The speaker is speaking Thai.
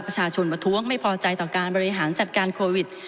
ประชาชนประท้วงไม่พอใจต่อการบริหารจัดการโควิด